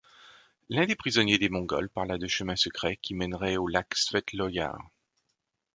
L'un des prisonniers des Mongols parla de chemins secrets qui mèneraient au lac Svetloïar.